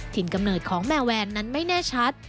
กำเนิดของแมวแวนนั้นไม่แน่ชัด